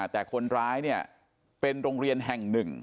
แต่คนร้ายเนี่ยเป็นโรงเรียนแห่งหนึ่ง